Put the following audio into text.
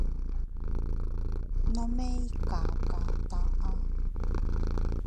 Nome ikaka taʼa.